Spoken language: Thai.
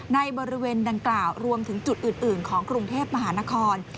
ในบริเวณดังกล่าวรวมถึงจุดอื่นของกรุงเทพมหานคร